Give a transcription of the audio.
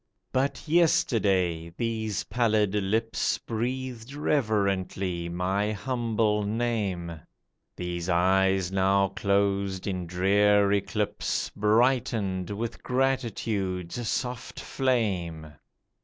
But yesterday these pallid lips Breathed reverently my humble name ; These eyes now closed in drear eclipse Brightened with gratitude's soft flame